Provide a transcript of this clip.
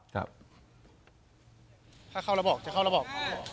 ถ้าเข้าแล้วบอกจะเข้าแล้วบอก